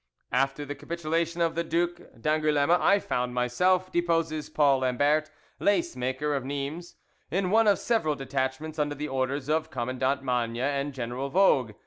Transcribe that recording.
"After the capitulation of the Duc d'Angouleme I found myself," deposes Paul Lambert, lace maker of Nimes, "in one of several detachments under the orders of Commandant Magne and General Vogue.